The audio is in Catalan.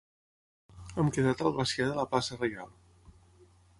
Hem quedat al Glaciar de la Plaça Reial.